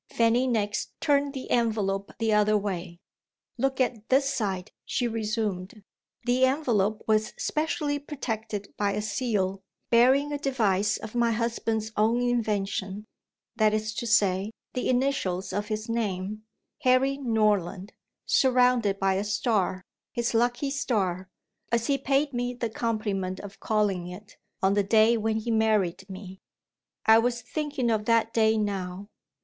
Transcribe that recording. Fanny next turned the envelope the other way. "Look at this side," she resumed. The envelope was specially protected by a seal; bearing a device of my husband's own invention; that is to say, the initials of his name (Harry Norland) surmounted by a star his lucky star, as he paid me the compliment of calling it, on the day when he married me. I was thinking of that day now.